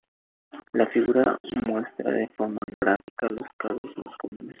La figura muestra de forma gráfica los casos más comunes.